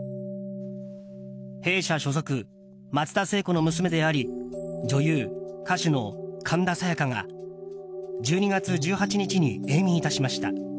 弊社所属、松田聖子の娘であり女優、歌手の神田沙也加が１２月１８日に永眠いたしました。